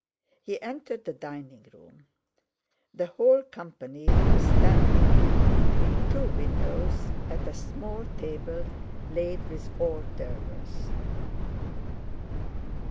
He entered the dining room. The whole company were standing between two windows at a small table laid with hors d'oeuvres.